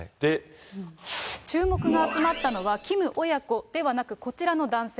注目が集まったのは、キム親子ではなく、こちらの男性。